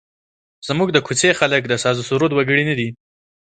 زموږ د کوڅې خلک د سازوسرور وګړي نه دي.